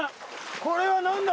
これは何だ？